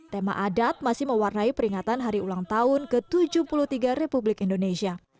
tema adat masih mewarnai peringatan hari ulang tahun ke tujuh puluh tiga republik indonesia